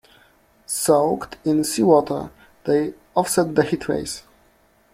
Soaked in seawater they offset the heat rays.